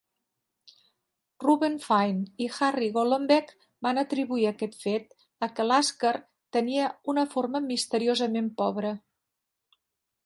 Reuben Fine i Harry Golombek van atribuir aquest fet a què Lasker tenia una forma misteriosament pobre.